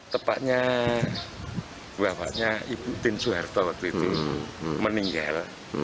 tepatnya wabaknya ibu tim suharto waktu itu meninggal